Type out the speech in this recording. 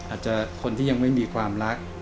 อาจจะคนที่ยังไม่มีความรัก